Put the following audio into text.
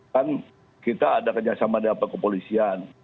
kan kita ada kerjasama dengan pihak polisian